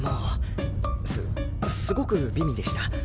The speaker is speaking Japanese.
すすごく美味でした。